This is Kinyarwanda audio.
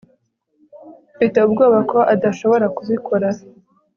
mfite ubwoba ko adashobora kubikora